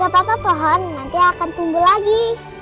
bapak bapak pohon nanti akan tumbuh lagi